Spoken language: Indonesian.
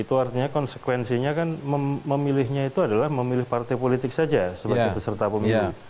itu artinya konsekuensinya kan memilihnya itu adalah memilih partai politik saja sebagai peserta pemilu